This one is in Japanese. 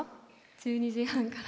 １２時半から。